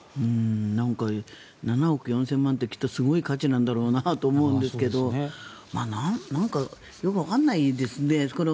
なんか７億４０００万円ってきっとすごい価値なんだろうなと思うんですけどなんかよくわからないですね。